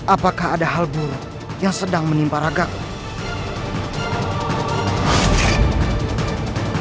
apakah ada hal buruk yang sedang menimpa ragak